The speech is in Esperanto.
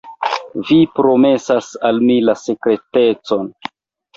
Vi promesas al mi la sekretecon?